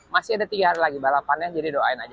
masih ada tiga hari lagi balapannya jadi doain aja